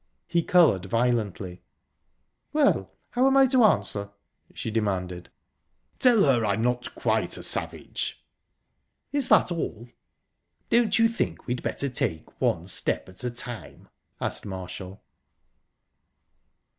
He coloured violently. "Well how am I to answer?" she demanded. "Tell her I'm not quite a savage." "Is that all?" "Don't you think we'd better take one step at a time?" asked Marshall.